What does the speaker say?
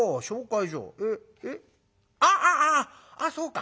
ああああそうか。